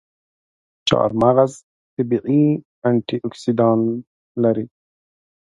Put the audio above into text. چارمغز طبیعي انټياکسیدان لري.